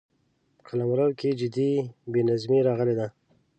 په قلمرو کې جدي بې نظمي راغلې ده.